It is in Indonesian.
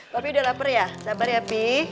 papi udah lapar ya sabar ya pi